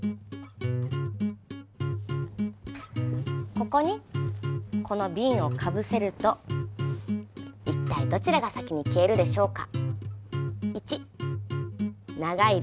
ここにこのビンをかぶせると一体どちらが先に消えるでしょうか？